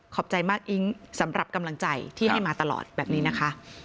ใจมากอิ๊งสำหรับกำลังใจที่ให้มาตลอดแบบนี้นะคะ